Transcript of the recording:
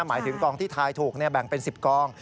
หมายถึงกองที่ทายถูกแบ่งเป็น๑๐กอง